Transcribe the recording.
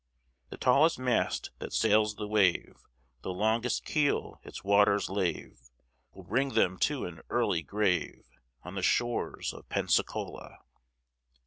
The tallest mast that sails the wave, The longest keel its waters lave, Will bring them to an early grave On the shores of Pensacola.